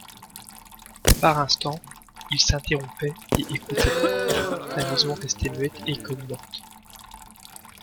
Par instants il s’interrompait et écoutait, la maison restait muette et comme morte.